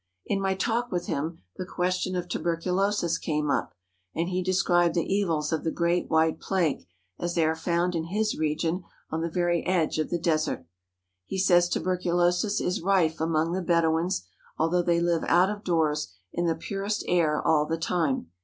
In my talk with him the question of tuberculosis came up, and he described the evils of the great white plague as they are found in his region on the very edge of the desert. He says tuberculosis is rife among the Bedouins although they live out of doors in the purest air all the time.